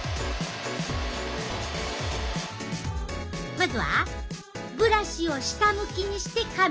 まずはブラシを下向きにして髪に当てる。